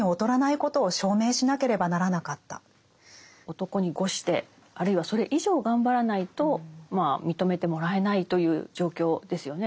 男に伍してあるいはそれ以上頑張らないと認めてもらえないという状況ですよね。